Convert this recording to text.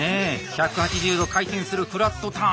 １８０度回転するフラットターン。